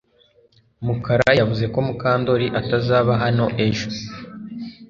Mukara yavuze ko Mukandoli atazaba hano ejo